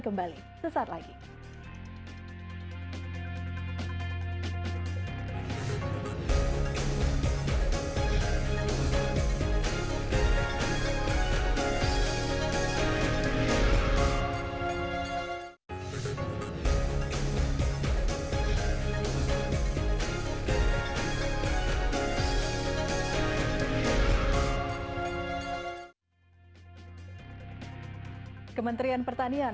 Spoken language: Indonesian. kembali sesat lagi hai kementrian pertanian